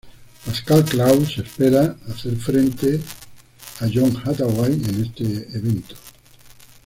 Pascal Krauss se espera hacer frente a John Hathaway en este evento.